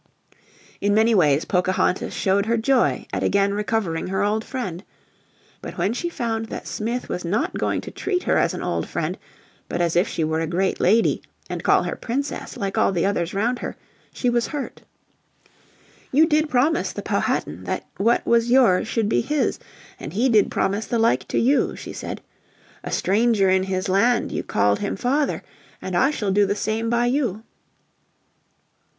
In many ways Pocahontas showed her joy at again recovering her old friend. But when she found that Smith was not going to treat her as an old friend, but as if she were a great lady, and call her Princess like all the others round her, she was hurt. "You did promise the Powhatan that what was yours should be his, and he did promise the like to you," she said. "A stranger in his land you called him father, and I shall do the same by you."